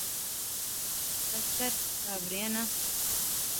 بس کر، کہاوریاں ناں